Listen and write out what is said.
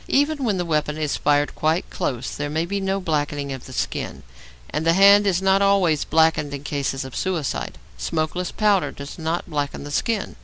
Even when the weapon is fired quite close there may be no blackening of the skin, and the hand is not always blackened in cases of suicide. Smokeless powder does not blacken the skin.